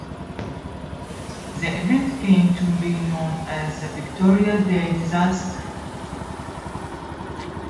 The event came to be known as the "Victoria Day disaster".